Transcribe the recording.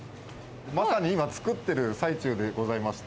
まさに今、作っている最中でございまして。